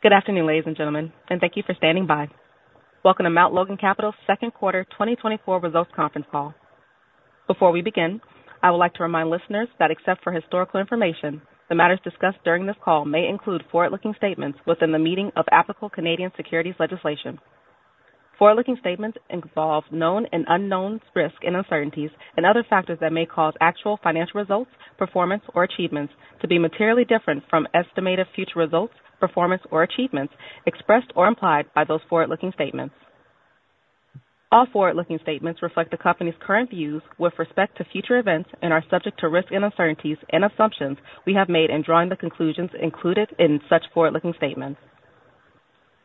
Good afternoon, ladies and gentlemen, and thank you for standing by. Welcome to Mount Logan Capital's second quarter 2024 results conference call. Before we begin, I would like to remind listeners that except for historical information, the matters discussed during this call may include forward-looking statements within the meaning of applicable Canadian securities legislation. Forward-looking statements involve known and unknown risks and uncertainties and other factors that may cause actual financial results, performance, or achievements to be materially different from estimated future results, performance, or achievements expressed or implied by those forward-looking statements. All forward-looking statements reflect the company's current views with respect to future events and are subject to risks and uncertainties and assumptions we have made in drawing the conclusions included in such forward-looking statements.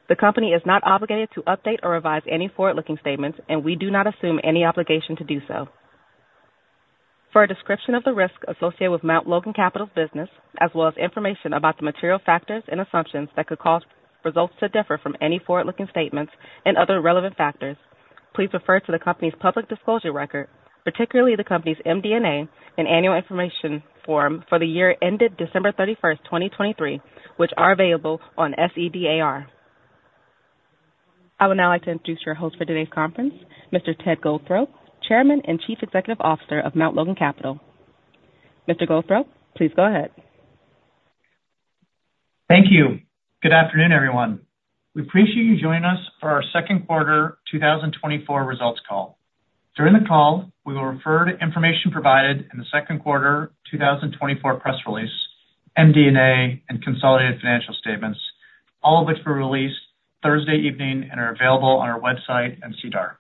The company is not obligated to update or revise any forward-looking statements, and we do not assume any obligation to do so. For a description of the risks associated with Mount Logan Capital's business, as well as information about the material factors and assumptions that could cause results to differ from any forward-looking statements and other relevant factors, please refer to the company's public disclosure record, particularly the company's MD&A and Annual Information Form for the year ended December 31st, 2023, which are available on SEDAR. I would now like to introduce your host for today's conference, Mr. Ted Goldthorpe, Chairman and Chief Executive Officer of Mount Logan Capital. Mr. Goldthorpe, please go ahead. Thank you. Good afternoon, everyone. We appreciate you joining us for our second quarter 2024 results call. During the call, we will refer to information provided in the second quarter 2024 press release, MD&A, and consolidated financial statements, all of which were released Thursday evening and are available on our website and SEDAR.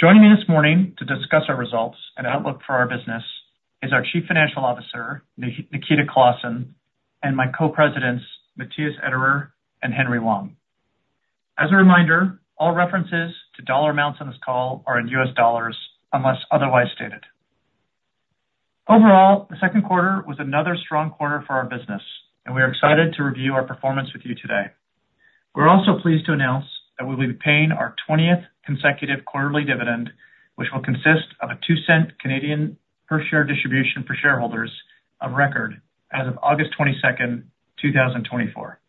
Joining me this morning to discuss our results and outlook for our business is our Chief Financial Officer, Nikita Klassen, and my Co-Presidents, Matthias Ederer and Henry Wang. As a reminder, all references to dollar amounts on this call are in U.S. dollars, unless otherwise stated. Overall, the second quarter was another strong quarter for our business, and we are excited to review our performance with you today. We're also pleased to announce that we'll be paying our 20th consecutive quarterly dividend, which will consist of a 0.02 per share distribution for shareholders of record as of August 22nd, 2024.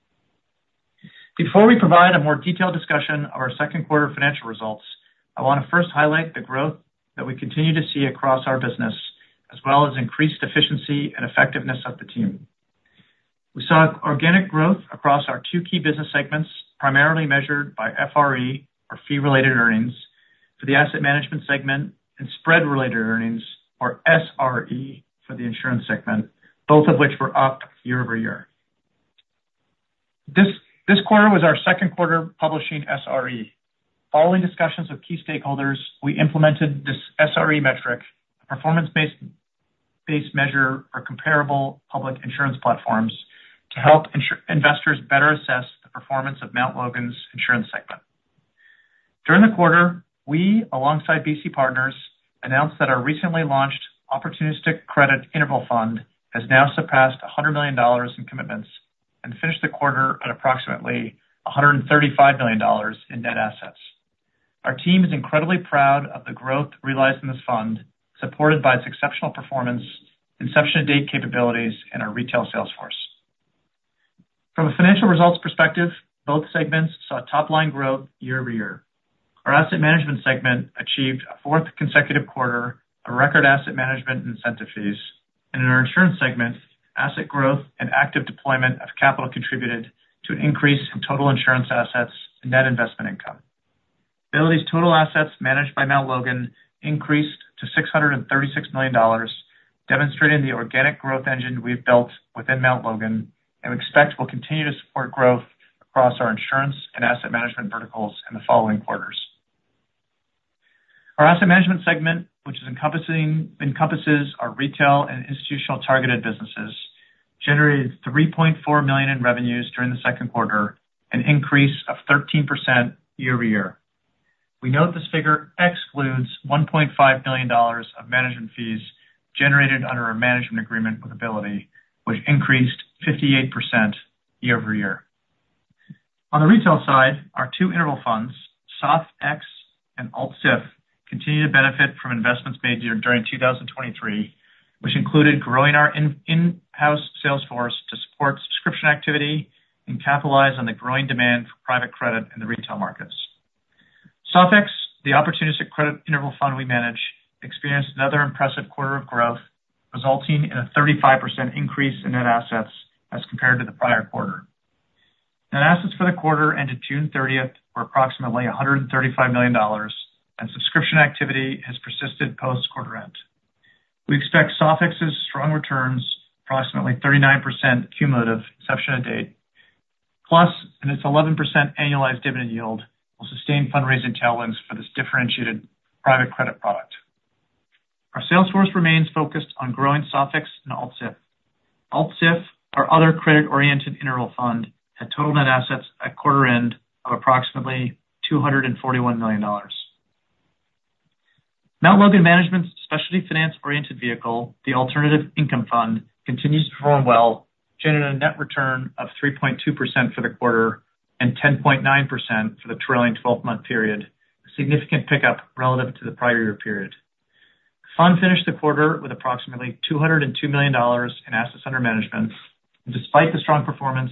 Before we provide a more detailed discussion of our second quarter financial results, I wanna first highlight the growth that we continue to see across our business, as well as increased efficiency and effectiveness of the team. We saw organic growth across our two key business segments, primarily measured by FRE, or Fee-Related Earnings, for the Asset Management Segment and Spread-Related Earnings, or SRE, for the Insurance Segment, both of which were up year-over-year. This quarter was our second quarter publishing SRE. Following discussions with key stakeholders, we implemented this SRE metric, a performance-based measure for comparable public insurance platforms, to help investors better assess the performance of Mount Logan's Insurance Segment. During the quarter, we, alongside BC Partners, announced that our recently launched opportunistic credit interval fund has now surpassed $100 million in commitments and finished the quarter at approximately $135 million in net assets. Our team is incredibly proud of the growth realized in this fund, supported by its exceptional performance, inception-to-date capabilities, and our retail sales force. From a financial results perspective, both segments saw top-line growth year-over-year. Our Asset Management Segment achieved a fourth consecutive quarter of record asset management incentive fees, and in our Insurance Segment, asset growth and active deployment of capital contributed to an increase in total insurance assets and net investment income. Ability's total assets managed by Mount Logan increased to $636 million, demonstrating the organic growth engine we've built within Mount Logan and expect will continue to support growth across our insurance and asset management verticals in the following quarters. Our Asset Management Segment, which encompasses our retail and institutional targeted businesses, generated $3.4 million in revenues during the second quarter, an increase of 13% year-over-year. We note this figure excludes $1.5 billion of management fees generated under our management agreement with Ability, which increased 58% year-over-year. On the retail side, our two interval funds, SOFIX and Alt-CIF, continue to benefit from investments made during 2023, which included growing our in-house sales force to support subscription activity and capitalize on the growing demand for private credit in the retail markets. SOFIX, the opportunistic credit interval fund we manage, experienced another impressive quarter of growth, resulting in a 35% increase in net assets as compared to the prior quarter. Net assets for the quarter ended June 30th were approximately $135 million, and subscription activity has persisted post-quarter end. We expect SOFIX's strong returns, approximately 39% cumulative inception to date, plus and its 11% annualized dividend yield, will sustain fundraising tailwinds for this differentiated private credit product. Our sales force remains focused on growing SOFIX and Alt-CIF. Alt-CIF, our other credit-oriented interval fund, had total net assets at quarter end of approximately $241 million. Mount Logan Management's specialty finance-oriented vehicle, the Alternative Income Fund, continues to perform well, generating a net return of 3.2% for the quarter and 10.9% for the trailing 12-month period, a significant pickup relative to the prior year period. Fund finished the quarter with approximately $202 million in assets under management. Despite the strong performance,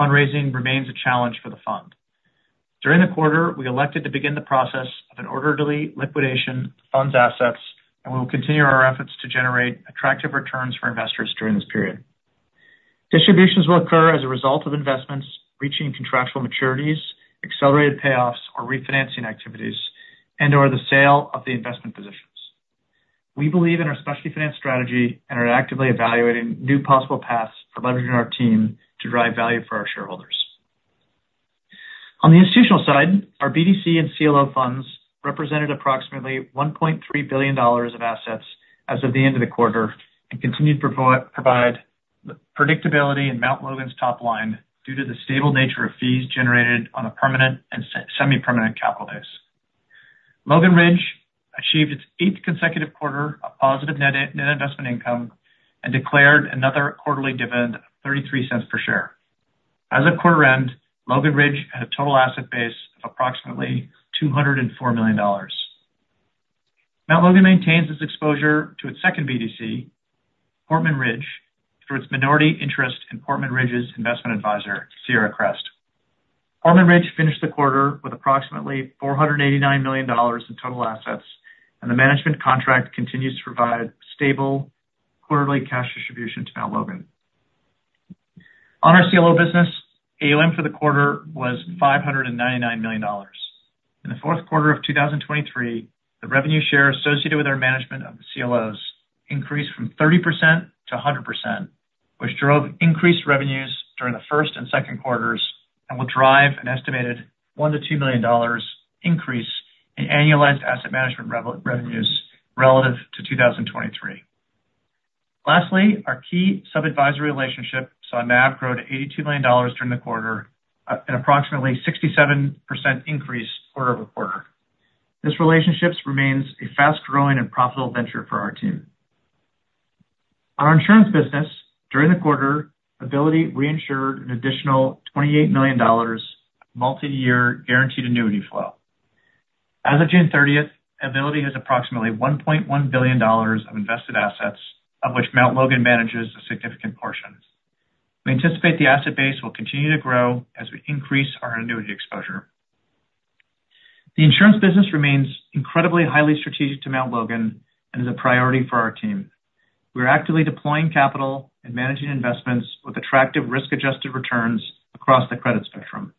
fundraising remains a challenge for the fund. During the quarter, we elected to begin the process of an orderly liquidation of the fund's assets, and we will continue our efforts to generate attractive returns for investors during this period. Distributions will occur as a result of investments reaching contractual maturities, accelerated payoffs, or refinancing activities, and/or the sale of the investment positions. We believe in our specialty finance strategy and are actively evaluating new possible paths for leveraging our team to drive value for our shareholders. On the institutional side, our BDC and CLO funds represented approximately $1.3 billion of assets as of the end of the quarter, and continued to provide predictability in Mount Logan's top line due to the stable nature of fees generated on a permanent and semi-permanent capital base. Logan Ridge achieved its eighth consecutive quarter of positive net investment income and declared another quarterly dividend of $0.33 per share. As of quarter end, Logan Ridge had a total asset base of approximately $204 million. Mount Logan maintains its exposure to its second BDC, Portman Ridge, through its minority interest in Portman Ridge's investment advisor, Sierra Crest. Portman Ridge finished the quarter with approximately $489 million in total assets, and the management contract continues to provide stable quarterly cash distribution to Mount Logan. On our CLO business, AUM for the quarter was $599 million. In the fourth quarter of 2023, the revenue share associated with our management of the CLOs increased from 30% to 100%, which drove increased revenues during the first and second quarters, and will drive an estimated $1 million-$2 million increase in annualized asset management revenues relative to 2023. Lastly, our key sub-advisory relationship saw NAV grow to $82 million during the quarter, an approximately 67% increase quarter-over-quarter. This relationship remains a fast-growing and profitable venture for our team. On our insurance business, during the quarter, Ability reinsured an additional $28 million multiyear guaranteed annuity flow. As of June 30th, Ability has approximately $1.1 billion of invested assets, of which Mount Logan manages a significant portion. We anticipate the asset base will continue to grow as we increase our annuity exposure. The insurance business remains incredibly highly strategic to Mount Logan and is a priority for our team. We are actively deploying capital and managing investments with attractive risk-adjusted returns across the credit spectrum.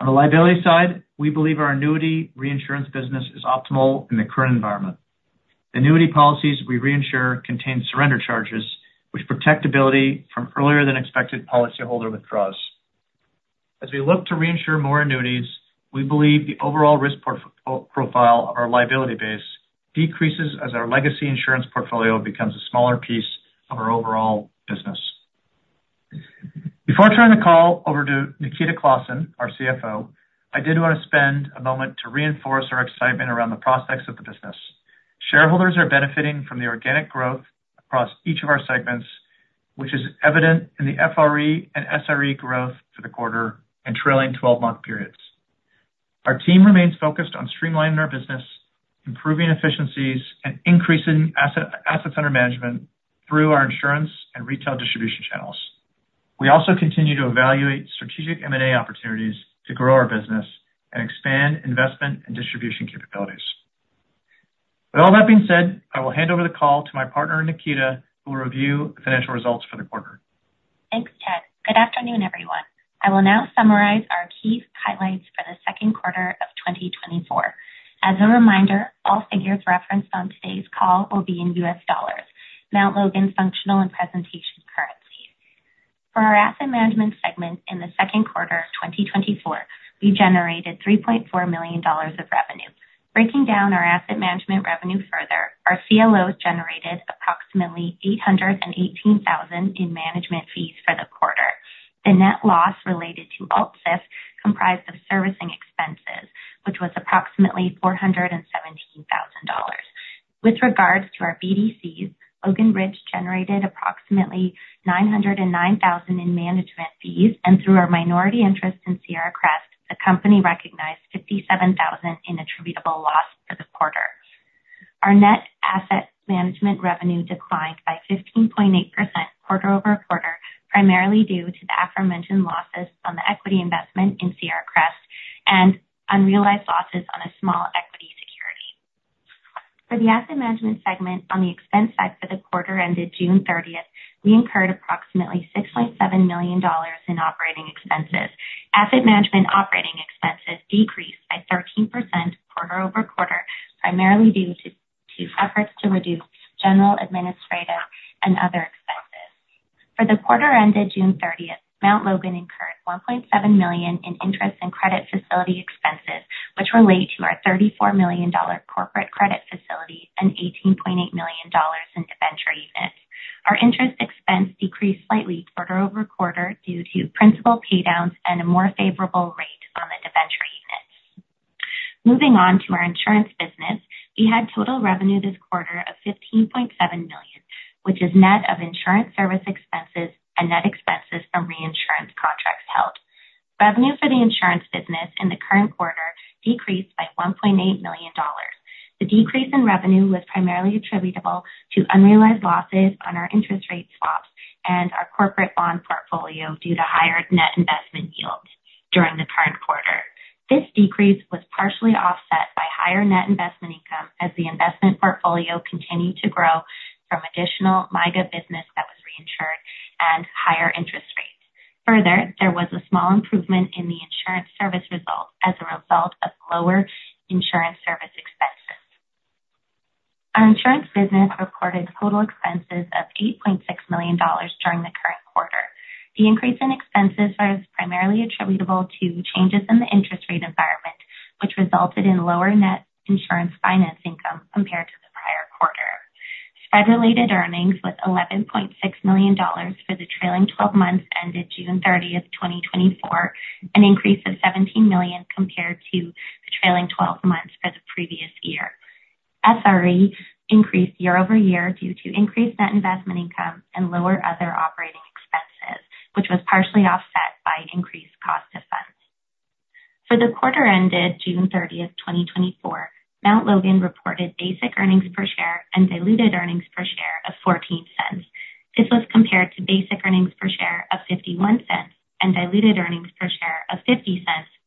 On the liability side, we believe our annuity reinsurance business is optimal in the current environment. The annuity policies we reinsure contain surrender charges, which protect Ability from earlier than expected policyholder withdrawals. As we look to reinsure more annuities, we believe the overall risk portfolio profile of our liability base decreases as our legacy insurance portfolio becomes a smaller piece of our overall business. Before I turn the call over to Nikita Klassen, our CFO, I did want to spend a moment to reinforce our excitement around the prospects of the business. Shareholders are benefiting from the organic growth across each of our segments, which is evident in the FRE and SRE growth for the quarter and trailing 12-month periods. Our team remains focused on streamlining our business, improving efficiencies, and increasing assets under management through our insurance and retail distribution channels. We also continue to evaluate strategic M&A opportunities to grow our business and expand investment and distribution capabilities. With all that being said, I will hand over the call to my partner, Nikita, who will review the financial results for the quarter. Thanks, Ted. Good afternoon, everyone. I will now summarize our key highlights for the second quarter of 2024. As a reminder, all figures referenced on today's call will be in U.S. dollars, Mount Logan's functional and presentation currency. For our Asset Management Segment in the second quarter of 2024, we generated $3.4 million of revenue. Breaking down our asset management revenue further, our CLOs generated approximately $818,000 in management fees for the quarter. The net loss related to Alt-CIF comprised of servicing expenses, which was approximately $417,000. With regards to our BDCs, Logan Ridge generated approximately $909,000 in management fees, and through our minority interest in Sierra Crest, the company recognized $57,000 in attributable loss for the quarter. Our net asset management revenue declined by 15.8% quarter-over-quarter, primarily due to the aforementioned losses on the equity investment in Sierra Crest and unrealized losses on a small equity security. For the Asset Management Segment, on the expense side for the quarter ended June 30th, we incurred approximately $6.7 million in operating expenses. Asset management operating expenses decreased by 13% quarter-over-quarter, primarily due to efforts to reduce general, administrative, and other expenses. For the quarter ended June 30th, Mount Logan incurred $1.7 million in interest and credit facility expenses, which relate to our $34 million corporate credit facility and $18.8 million in debenture units. Our interest expense decreased slightly quarter-over-quarter due to principal paydowns and a more favorable rate on the debenture units. Moving on to our insurance business, we had total revenue this quarter of $15.7 million, which is net of insurance service expenses and net expenses from reinsurance contracts. Revenue for the insurance business in the current quarter decreased by $1.8 million. The decrease in revenue was primarily attributable to unrealized losses on our interest rate swaps and our corporate bond portfolio due to higher net investment yields during the current quarter. This decrease was partially offset by higher net investment income, as the investment portfolio continued to grow from additional MYGA business that was reinsured and higher interest rates. Further, there was a small improvement in the insurance service result as a result of lower insurance service expenses. Our insurance business recorded total expenses of $8.6 million during the current quarter. The increase in expenses was primarily attributable to changes in the interest rate environment, which resulted in lower net insurance finance income compared to the prior quarter. FRE-related earnings was $11.6 million for the trailing 12 months ended June 30th, 2024, an increase of $17 million compared to the trailing 12 months for the previous year. SRE increased year-over-year due to increased net investment income and lower other operating expenses, which was partially offset by increased cost of funds. For the quarter ended June 30th, 2024, Mount Logan reported basic earnings per share and diluted earnings per share of $0.14. This was compared to basic earnings per share of $0.51 and diluted earnings per share of $0.50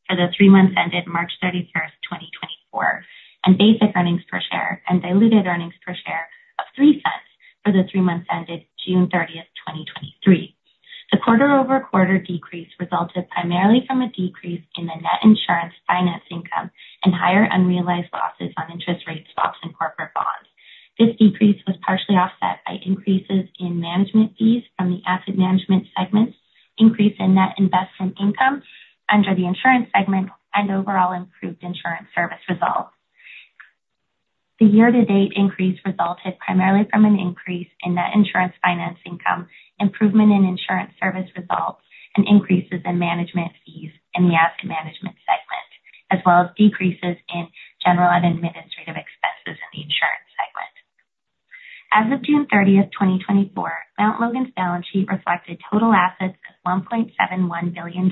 for the three months ended March 31st, 2024, and basic earnings per share and diluted earnings per share of $0.03 for the three months ended June 30th, 2023. The quarter-over-quarter decrease resulted primarily from a decrease in the net insurance finance income and higher unrealized losses on interest rate swaps and corporate bonds. This decrease was partially offset by increases in management fees from the Asset Management Segment, increase in net investment income under the Insurance Segment, and overall improved insurance service results. The year-to-date increase resulted primarily from an increase in net insurance finance income, improvement in insurance service results, and increases in management fees in the Asset Management Segment, as well as decreases in general and administrative expenses in the Insurance Segment. As of June 30th, 2024, Mount Logan's balance sheet reflected total assets of $1.71 billion,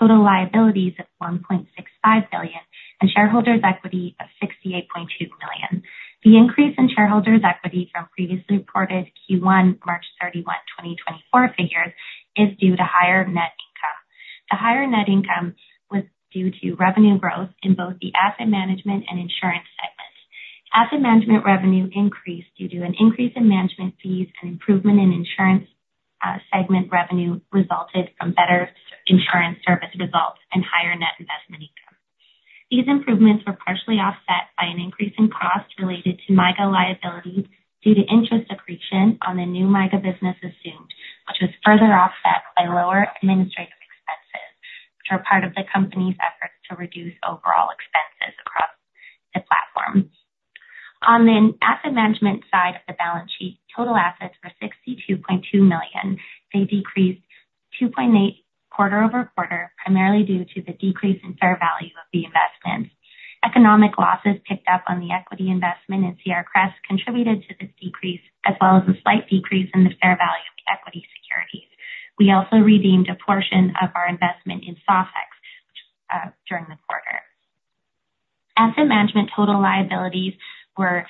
total liabilities of $1.65 billion, and shareholders' equity of $68.2 billion. The increase in shareholders' equity from previously reported Q1, March 31, 2024 figures, is due to higher net income. The higher net income was due to revenue growth in both the asset management and insurance segments. Asset management revenue increased due to an increase in management fees, and improvement in Insurance Segment revenue resulted from better insurance service results and higher net investment income. These improvements were partially offset by an increase in costs related to MYGA liabilities due to interest accretion on the new MYGA business assumed, which was further offset by lower administrative expenses, which are part of the company's efforts to reduce overall expenses across the platform. On the asset management side of the balance sheet, total assets were $62.2 million. They decreased $2.8 million quarter-over-quarter, primarily due to the decrease in fair value of the investments. Economic losses picked up on the equity investment in Sierra Crest contributed to this decrease, as well as a slight decrease in the fair value of equity securities. We also redeemed a portion of our investment in SOFIX during the quarter. Asset management total liabilities were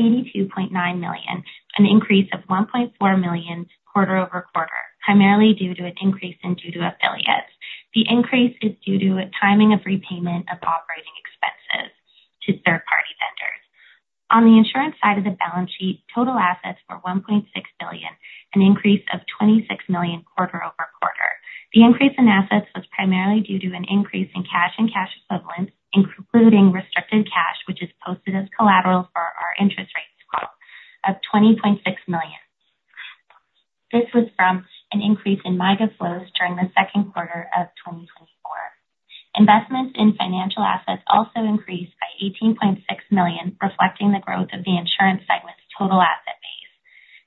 $82.9 million, an increase of $1.4 million quarter-over-quarter, primarily due to an increase in due to affiliates. The increase is due to a timing of repayment of operating expenses to third-party vendors. On the insurance side of the balance sheet, total assets were $1.6 billion, an increase of $26 million quarter-over-quarter. The increase in assets was primarily due to an increase in cash and cash equivalents, including restricted cash, which is posted as collateral for our interest rate swap of $20.6 million. This was from an increase in MYGA flows during the second quarter of 2024. Investments in financial assets also increased by $18.6 million, reflecting the growth of the Insurance Segment's total asset base.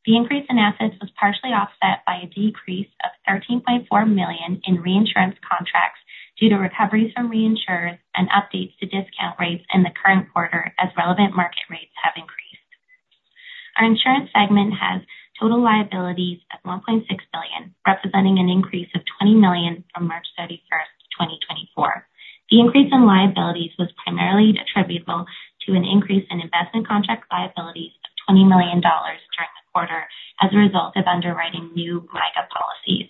The increase in assets was partially offset by a decrease of $13.4 million in reinsurance contracts due to recoveries from reinsurers and updates to discount rates in the current quarter as relevant market rates have increased. Our Insurance Segment has total liabilities of $1.6 billion, representing an increase of $20 million from March 31st, 2024. The increase in liabilities was primarily attributable to an increase in investment contract liabilities of $20 million during the quarter as a result of underwriting new MYGA policies.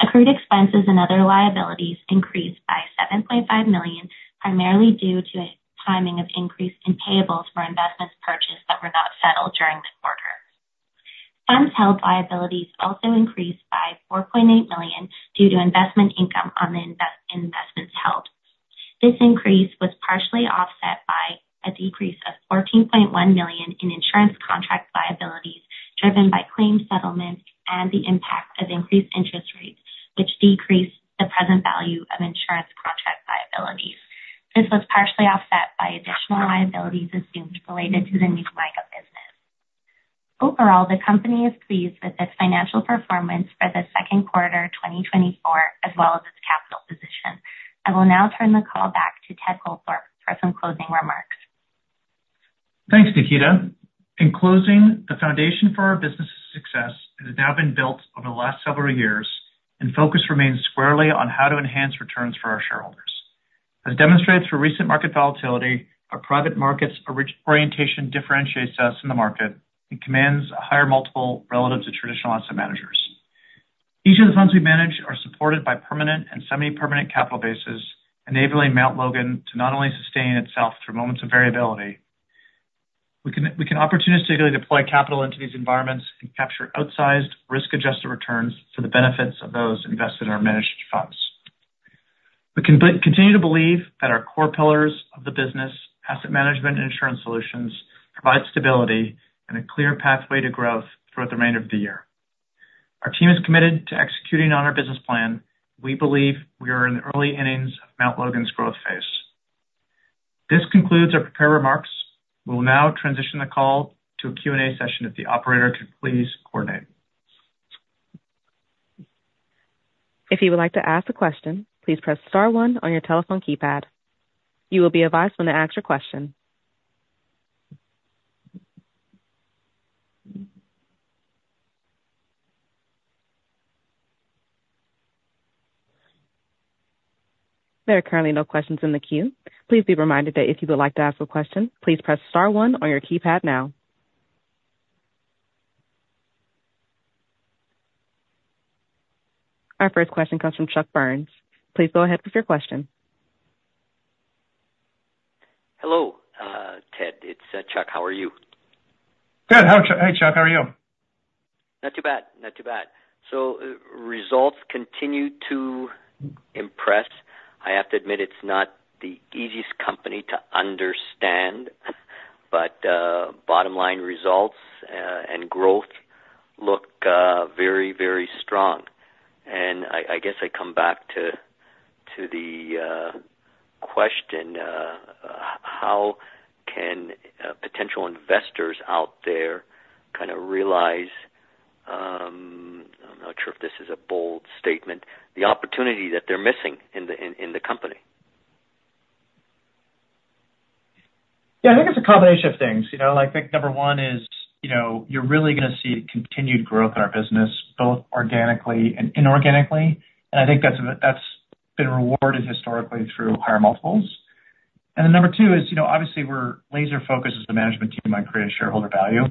Accrued expenses and other liabilities increased by $7.5 million, primarily due to timing of increase in payables for investments purchased that were not settled during the quarter. Funds held liabilities also increased by $4.8 million due to investment income on the investments held. This increase was partially offset by a decrease of $14.1 million in insurance contract liabilities, driven by claim settlements and the impact of increased interest rates, which decreased the present value of insurance contract liabilities. This was partially offset by additional liabilities assumed related to the new MYGA business. Overall, the company is pleased with its financial performance for the second quarter, 2024, as well as its capital position. I will now turn the call back to Ted Goldthorpe for some closing remarks. Thanks, Nikita. In closing, the foundation for our business' success has now been built over the last several years, and focus remains squarely on how to enhance returns for our shareholders. As demonstrated through recent market volatility, our private markets orientation differentiates us in the market and commands a higher multiple relative to traditional asset managers. Each of the funds we manage are supported by permanent and semi-permanent capital bases, enabling Mount Logan to not only sustain itself through moments of variability, we can, we can opportunistically deploy capital into these environments and capture outsized risk-adjusted returns for the benefits of those invested in our managed funds. We continue to believe that our core pillars of the business, asset management, and insurance solutions, provide stability and a clear pathway to growth throughout the remainder of the year. Our team is committed to executing on our business plan. We believe we are in the early innings of Mount Logan's growth phase. This concludes our prepared remarks. We will now transition the call to a Q&A session, if the operator could please coordinate. If you would like to ask a question, please press star one on your telephone keypad. You will be advised when to ask your question. There are currently no questions in the queue. Please be reminded that if you would like to ask a question, please press star one on your keypad now. Our first question comes from Chuck Burns. Please go ahead with your question. Hello, Ted, it's Chuck. How are you? Good. How are you? Hey, Chuck, how are you? Not too bad. Not too bad. So, results continue to impress. I have to admit, it's not the easiest company to understand, but, bottom line results, and growth look very, very strong. And I guess I come back to the question, how can potential investors out there kind of realize, I'm not sure if this is a bold statement, the opportunity that they're missing in the company? Yeah, I think it's a combination of things, you know. I think number one is, you know, you're really gonna see continued growth in our business, both organically and inorganically. And I think that's, that's been rewarded historically through higher multiples. And then number two is, you know, obviously we're laser focused as the management team on creating shareholder value.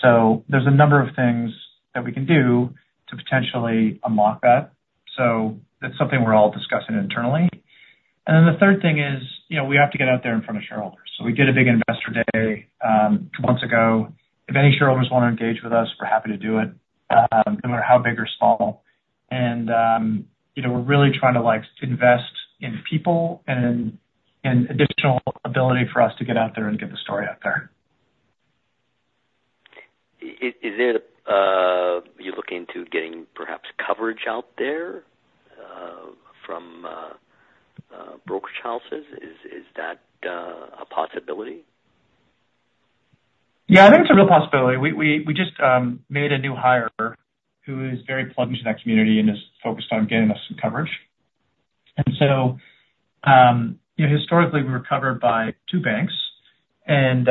So there's a number of things that we can do to potentially unlock that. So that's something we're all discussing internally. And then the third thing is, you know, we have to get out there in front of shareholders. So we did a big Investor Day two months ago. If any shareholders wanna engage with us, we're happy to do it, no matter how big or small. You know, we're really trying to, like, invest in people and additional ability for us to get out there and get the story out there. Is it you're looking into getting perhaps coverage out there from brokerage houses? Is that a possibility? Yeah, I think it's a real possibility. We just made a new hire who is very plugged into that community and is focused on getting us some coverage. And so, you know, historically, we were covered by two banks, and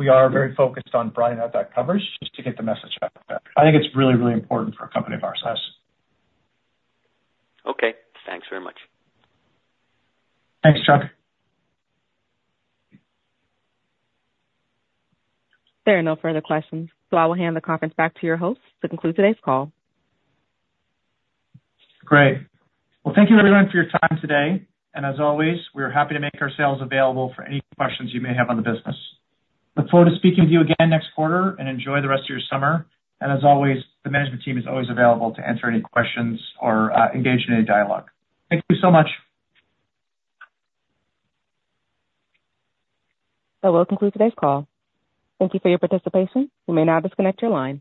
we are very focused on broadening out that coverage just to get the message out there. I think it's really, really important for a company of our size. Okay, thanks very much. Thanks, Chuck. There are no further questions, so I will hand the conference back to your host to conclude today's call. Great. Well, thank you everyone for your time today, and as always, we are happy to make ourselves available for any questions you may have on the business. Look forward to speaking with you again next quarter, and enjoy the rest of your summer. As always, the management team is always available to answer any questions or engage in any dialogue. Thank you so much. That will conclude today's call. Thank you for your participation. You may now disconnect your line.